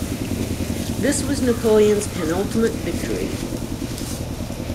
This was Napoleon's penultimate victory.